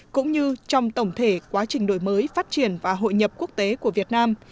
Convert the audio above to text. cũng như trong tổng thể quá trình đổi mới phát triển và hội nhập quốc tế của việt nam